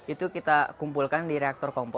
itu kita kumpulkan di reaktor kompo